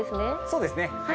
そうですね。